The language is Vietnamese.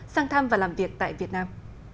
sang thăm và làm việc tại việt nam